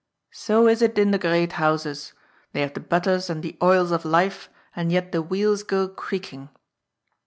'' So is it in the great houses. They have the butters and the oils of life, and yet the wheels go creaking.